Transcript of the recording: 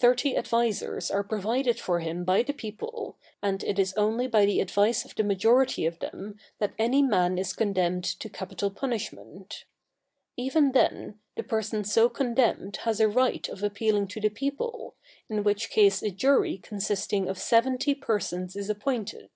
Thirty advisers are provided for him by the people, and it is only by the advice of the majority of them that any man is condemned to capital punishment. Even then, the person so condemned has a right of appealing to the people, in which case a jury consisting of seventy persons is appointed.